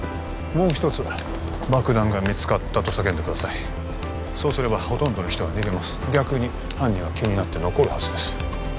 もう一つ爆弾が見つかったと叫んでくださいそうすればほとんどの人は逃げます逆に犯人は気になって残るはずです